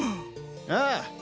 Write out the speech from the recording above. ああ。